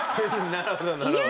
なるほどなるほど。